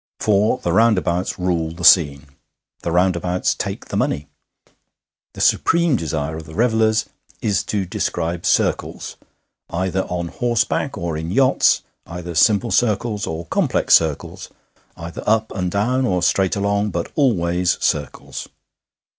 For the roundabouts rule the scene; the roundabouts take the money. The supreme desire of the revellers is to describe circles, either on horseback or in yachts, either simple circles or complex circles, either up and down or straight along, but always circles.